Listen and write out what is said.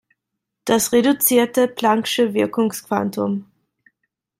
Das reduzierte plancksche Wirkungsquantum.